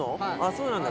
そうなんだ！